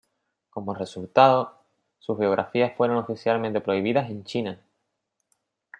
Como resultado, sus biografías fueron oficialmente prohibidas en China.